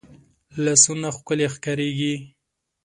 لاسونه ښکلې ښکارېږي